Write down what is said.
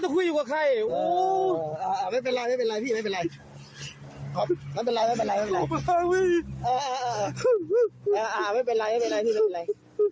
ไม่เป็นไรไม่เป็นไรไม่เป็นไรไม่เป็นไรไม่เป็นไรไม่เป็นไรไม่เป็นไรไม่เป็นไรไม่เป็นไรไม่เป็นอะไรไม่เป็นอะไร